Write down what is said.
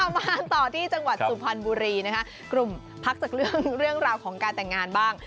มาต่อที่จังหวัดสุพรรณบุรีนะคะกลุ่มพักจากเรื่องราวของการแต่งงานบ้าง